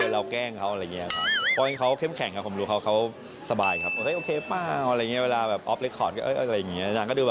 แล้วเออเราแกล้งเขาอะไรอย่างนี้ครับ